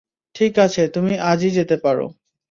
ঠিক আছে, তুমি আজই যেতে পারো।